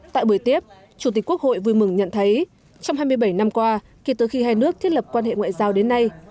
tại buổi tiếp chủ tịch quốc hội vui mừng nhận thấy trong hai mươi bảy năm qua kể từ khi hai nước thiết lập quan hệ ngoại giao đến nay